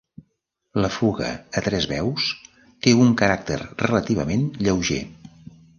La fuga, a tres veus, té un caràcter relativament lleuger.